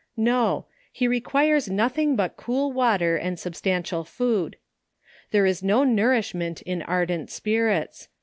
— No— he requires nothing but cool water, and substantial food. There is no nourish ment in ardent spirits.